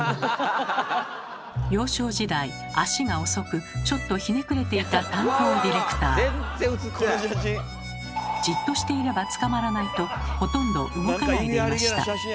幼少時代足が遅くちょっとひねくれていた担当ディレクター。とほとんど動かないでいました。